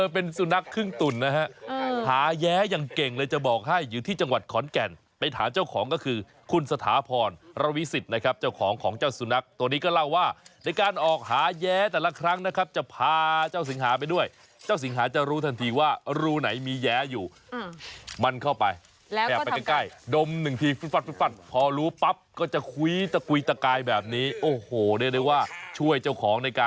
เป็นสุนัขครึ่งตุ่นนะฮะหาแย้อย่างเก่งเลยจะบอกให้อยู่ที่จังหวัดขอนแก่นไปหาเจ้าของก็คือคุณสถาพรรวิสิตนะครับเจ้าของของเจ้าสุนัขตัวนี้ก็เล่าว่าในการออกหาแย้แต่ละครั้งนะครับจะพาเจ้าสิงหาไปด้วยเจ้าสิงหาจะรู้ทันทีว่ารู้ไหนมีแย้อยู่มันเข้าไปแล้วก็ไปใกล้ดมหนึ่งทีพัดพอรู้ปั๊บก